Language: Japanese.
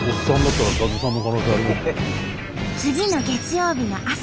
次の月曜日の朝。